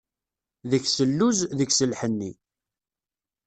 Deg-s lluz, deg-s lḥenni.